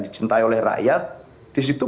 dicintai oleh rakyat disitu